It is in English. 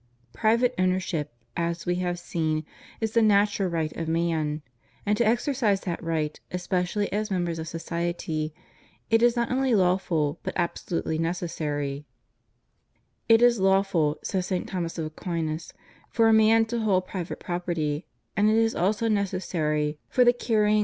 Private owner ship, as we have seen, is the natural right of man ; and to exercise that right, especially as members of society, is not only lawful, but absolutely necessary. " It is lawful," says St. Thomas of Aquin, ''for a man to hold private property; and it is also necessary for the carrying on of » 2 Tim. ii. 12. 3 gt. Matt. xix. 23, 24. 2 2 Cor.